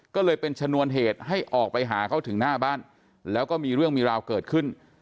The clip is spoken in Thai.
ก็เลยเป็นชนวนเหตุให้ออกไปหาเขาถึงหน้าบ้านแล้วก็มีเรื่องมีราวเกิดขึ้น